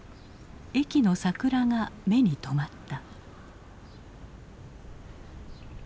駅の桜が目に留まった。